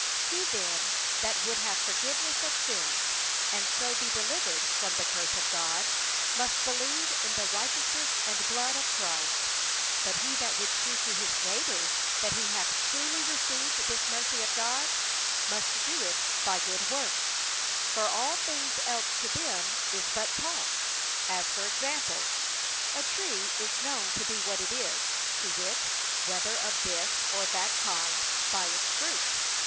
He then that would have forgiveness of sins, and so be delivered from the curse of God, must believe in the righteousness and blood of Christ: but he that would shew to his neighbours that he hath truly received this mercy of God, must do it by good works; for all things else to them is but talk: as for example, a tree is known to be what it is, to wit, whether of this or that kind, by its fruit.